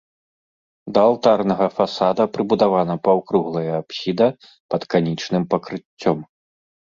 Да алтарнага фасада прыбудавана паўкруглая апсіда пад канічным пакрыццём.